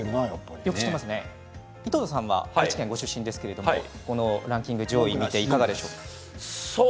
井戸田さんは愛知県ご出身ですけれどもこのランキング上位見ていかがですか。